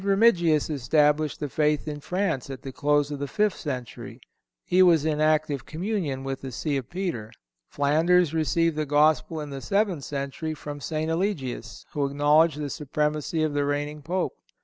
Remigius established the faith in France, at the close of the fifth century. He was in active communion with the See of Peter. Flanders received the Gospel in the seventh century from St. Eligius, who acknowledged the supremacy of the reigning Pope.